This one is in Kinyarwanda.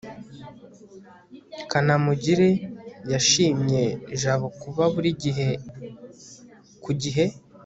kanamugire yashimye jabo kuba buri gihe ku gihe